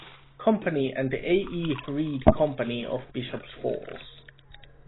Company and the A. E. Reed Company of Bishop's Falls.